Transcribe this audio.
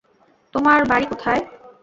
তোমার ঘড়ি কোথায়?